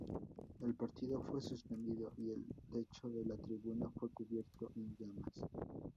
El partido fue suspendido, y el techo de la tribuna fue cubierto en llamas.